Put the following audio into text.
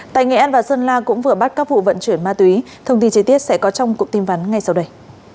tại nghệ an và sơn la cũng vừa bắt các vụ vận chuyển ma túy thông tin chế tiết sẽ có trong cụm tin vắn ngay sau đây